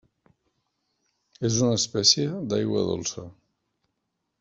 És una espècie d'aigua dolça.